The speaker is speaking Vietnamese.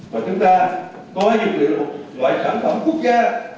và chúng ta coi dược liệu là một loại sản phẩm quốc gia